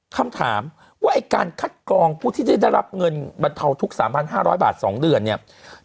คำถามว่าไอ้การคัดกรองผู้ที่ได้รับเงินบรรเทาทุก๓๕๐๐บาท๒เดือนเนี่ย